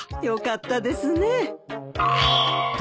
よかったですね。